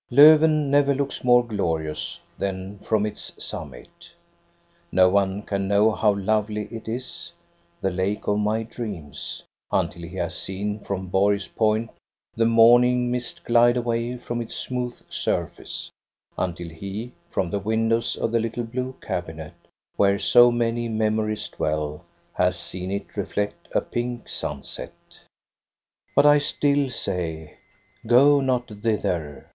Lofven never looks more glorious than from its summit. No one can know how lovely it is, the lake of my dreams, until he has seen from Borg's point the morning mist glide away from its smooth surface; until he, from the windows of the little blue cabinet, where so many memories dwell, has seen it reflect a pink sunset. But I still say, go not thither